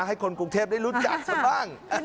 ให้คนกรุงเทพได้รู้จักซะบ้าง